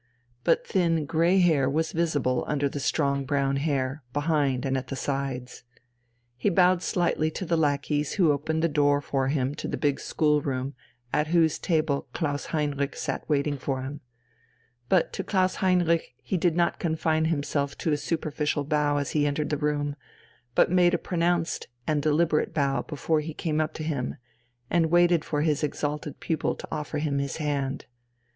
But thin grey hair was visible under the strong brown hair behind and at the sides. He bowed slightly to the lackeys who opened the door for him to the big schoolroom at whose table Klaus Heinrich sat waiting for him. But to Klaus Heinrich he did not confine himself to a superficial bow as he entered the room, but made a pronounced and deliberate bow before he came up to him, and waited for his exalted pupil to offer him his hand.